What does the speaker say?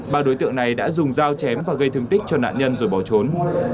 ba đối tượng này đã dùng dao chém và gây thương tích cho nạn nhân rồi bỏ trốn